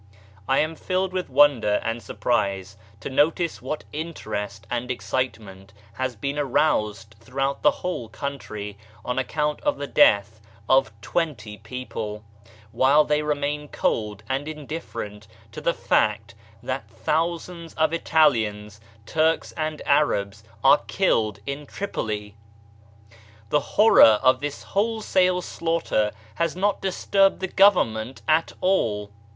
I am filled with wonder and surprise to notice what interest and excitement has been aroused throughout the whole country on account of the death of twenty people, while they remain cold and indifferent to the fact that thousands of Italians, Turks, and Arabs are killed in Tripoli ! The horror of this wholesale slaughter has not disturbed the Government at all